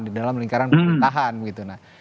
di dalam lingkaran pemerintahan gitu